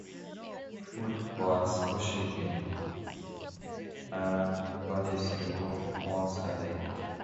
Food was pushed in and bodies removed once a day.